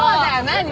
何？